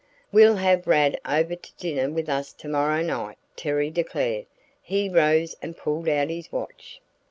"We'll have Rad over to dinner with us tomorrow night," Terry declared. He rose and pulled out his watch.